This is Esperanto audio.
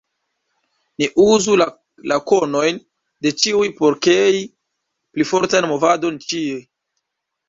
Ni uzu la konojn de ĉiuj por krei pli fortan movadon ĉie.